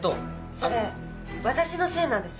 それ私のせいなんです。